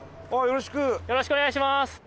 よろしくお願いします。